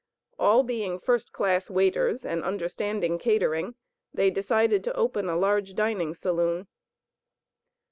All being first class waiters and understanding catering, they decided to open a large dining saloon.